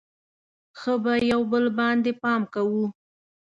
ښه به یو بل باندې پام کوو.